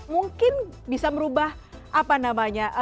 mungkin bisa merubah apa namanya